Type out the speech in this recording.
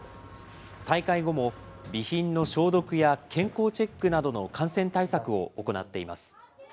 再開後も、備品の消毒や健康チェックなどの感染対策を行っています。